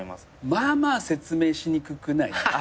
まあまあ説明しにくくない？